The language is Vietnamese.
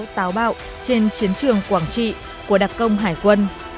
đoàn tàu tàu bạo trên chiến trường quảng trị của đặc công hải quân